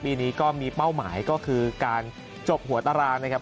ปีนี้ก็มีเป้าหมายก็คือการจบหัวตารางนะครับ